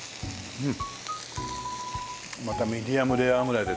うん！